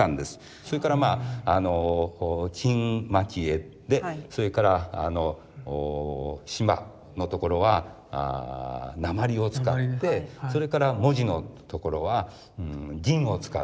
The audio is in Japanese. それからまあ金蒔絵でそれから島のところは鉛を使ってそれから文字のところは銀を使う。